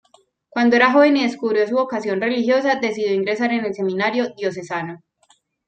Cuando era joven y descubrió su vocación religiosa, decidió ingresar en el seminario diocesano.